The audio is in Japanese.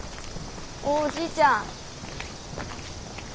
おじいちゃん。